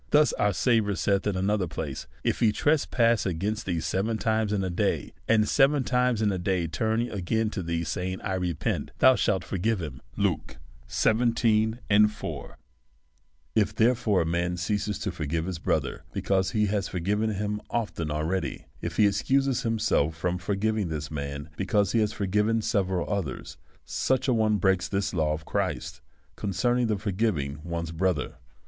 Thus, our Savi our saith in another place, if he tres pass against thee seven times in a day, Luke xvii. 4. and seven times in a day turn again to thee saying I repent, thou shalt forgive him. Ifj DEVOUT AND HOLY LIFE. 63 therefore, a man ceases to forgive his brother^ be cause he has forgiven him often ah'eady ; if he ex cuses himself from forgiving this man^ because he has forgiven several others ; such a one breaks this law of Christ, concerning the forgiving one's brother.